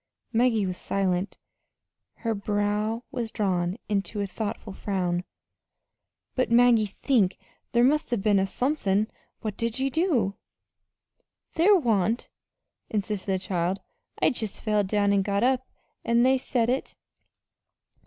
Maggie was silent. Her brow was drawn into a thoughtful frown. "But, Maggie, think there must 'a' been somethin'. What did ye do?" "There wa'n't," insisted the child. "I jest felled down an' got up, an' they said it."